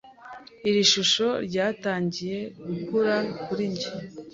Iri shusho ryatangiye gukura kuri njye.